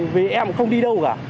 với em không đi đâu cả